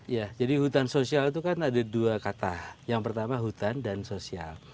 ya jadi hutan sosial itu kan ada dua kata yang pertama hutan dan sosial